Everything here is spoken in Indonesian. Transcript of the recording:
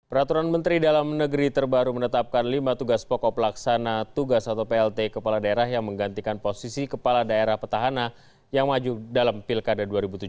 peraturan menteri dalam negeri terbaru menetapkan lima tugas pokok pelaksana tugas atau plt kepala daerah yang menggantikan posisi kepala daerah petahana yang maju dalam pilkada dua ribu tujuh belas